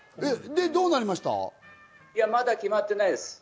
まだ決まってないです。